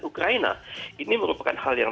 ukraina ini merupakan hal yang